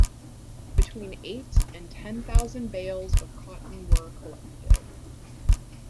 Between eight and ten thousand bales of cotton were collected.